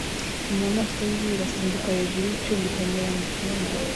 Inyamaswa yizuru irasimbukira hejuru y'icyuma ikanyerera mucyondo